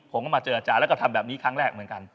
ผมก็มาเจออาจารย์แล้วก็ทำแบบนี้ครั้งแรกเหมือนกัน